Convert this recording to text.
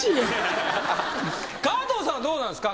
川藤さんはどうなんですか？